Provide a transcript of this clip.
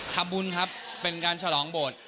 ทำบุญครับเป็นการฉลองโบสถ